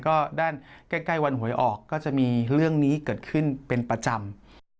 ก็ด้านใกล้วันหวยออกก็จะมีเรื่องนี้เกิดขึ้นเป็นประจำ